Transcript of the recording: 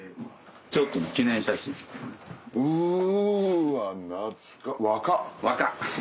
うわ懐か若っ。